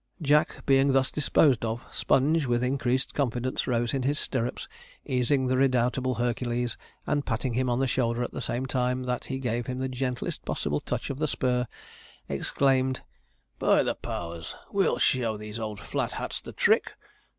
Jack being thus disposed of, Sponge, with increased confidence, rose in his stirrups, easing the redoubtable Hercules; and patting him on the shoulder, at the same time that he gave him the gentlest possible touch of the spur, exclaimed, 'By the powers, we'll show these old Flat Hats the trick!'